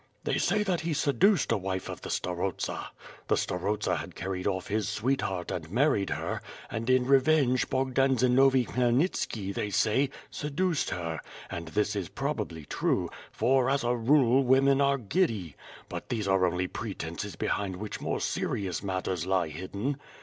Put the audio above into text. They say that he seduced a wife of the starosta. The starosta had carried' off his sweet heart and married her, and in revenge Bogdan Zenovi Khmy elnitski, they say, seduced her, and this is probably true, for, as a rule, women are giddy; but these are only pretenses behind which more serious matters lie hidden.